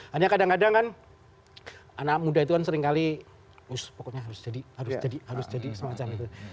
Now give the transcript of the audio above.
hanya kadang kadang kan anak muda itu kan seringkali pokoknya harus jadi semacam itu